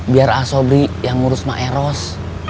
biar asobri yang ngurus mak eros